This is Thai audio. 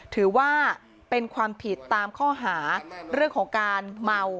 ถือว่าเป็นความผิดตามข้อหาเรื่องของการเมา